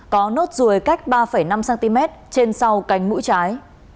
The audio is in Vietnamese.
có nốt ruồi cách ba năm cm trên sau cánh mũi trái